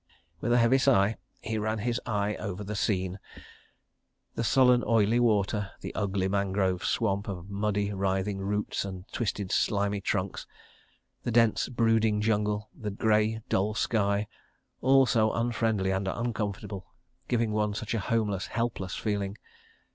... With a heavy sigh, he ran his eye over the scene—the sullen, oily water, the ugly mangrove swamp of muddy, writhing roots and twisted, slimy trunks, the dense, brooding jungle, the grey, dull sky—all so unfriendly and uncomfortable, giving one such a homeless, helpless feeling.